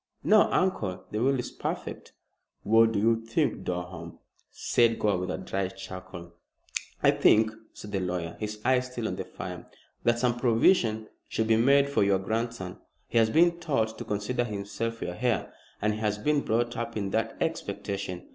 "No, uncle. The will is perfect." "What do you think, Durham?" said Gore, with a dry chuckle. "I think," said the lawyer, his eyes still on the fire, "that some provision should be made for your grandson. He has been taught to consider himself your heir, and has been brought up in that expectation.